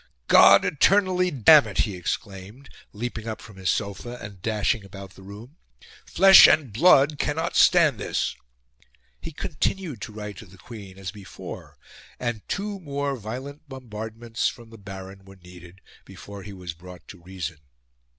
"God eternally damn it!" he exclaimed, leaping up from his sofa, and dashing about the room. "Flesh and blood cannot stand this!" He continued to write to the Queen, as before; and two more violent bombardments from the Baron were needed before he was brought to reason.